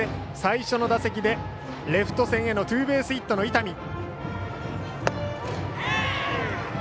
最初の打席でレフト線へのツーベースヒットの伊丹。